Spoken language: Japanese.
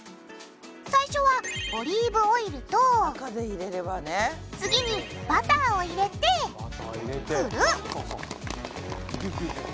最初はオリーブオイルと次にバターを入れて振る！